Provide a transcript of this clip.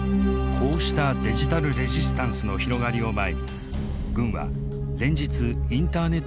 こうしたデジタル・レジスタンスの広がりを前に軍は連日インターネットを遮断。